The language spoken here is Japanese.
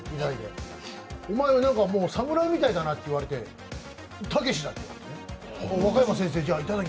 お前は侍みたいだなって言われて、武士だって。